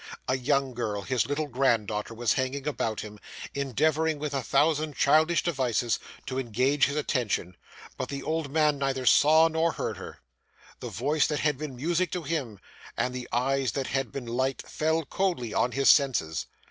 A young girl his little grand daughter was hanging about him, endeavouring, with a thousand childish devices, to engage his attention; but the old man neither saw nor heard her. The voice that had been music to him, and the eyes that had been light, fell coldly on his senses.